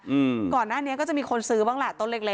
อืมก่อนหน้านี้ก็จะมีคนซื้อบ้างแหละต้นเล็กเล็ก